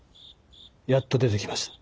やっと出てきました。